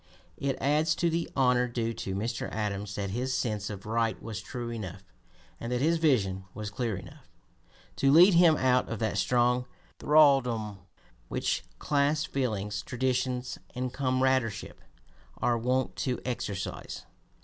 It adds to the honor due to Mr. Adams that his sense of right was true enough, and that his vision was clear enough, to lead him out of that strong thraldom which class feelings, (p. 248) traditions, and comradeship are wont to exercise.